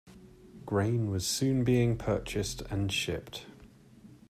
Grain was soon being purchased and shipped.